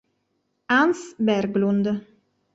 Hans Berglund